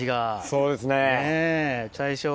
そうですね。